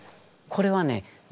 これはね